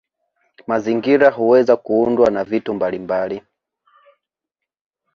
Mazingira huweza kuundwa na vitu mbalimbali